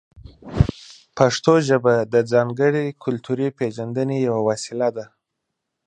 پښتو ژبه د ځانګړې کلتوري پېژندنې یوه وسیله ده.